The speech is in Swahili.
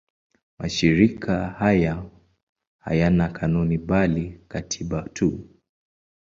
Mashirika hayo hayana kanuni bali katiba tu.